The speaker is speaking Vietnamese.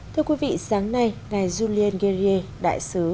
thưa quý vị sáng nay ngày julian gerie đại sứ